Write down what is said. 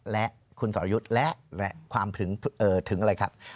และคุณสรยุทธ์และความถึงอะไรครับ